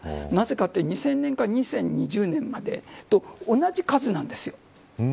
なぜかって２０００年から２０２０年までと同じ数なんです。